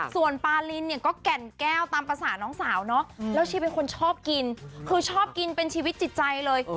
ส่วนปารินเนี่ยก็แก่นแก้วตามภาษาน้องสาวเนาะแล้วชีเป็นคนชอบกินคือชอบกินเป็นชีวิตจิตใจเลย